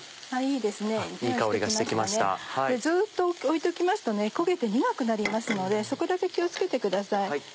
ずっと置いておきますと焦げて苦くなりますのでそこだけ気を付けてください。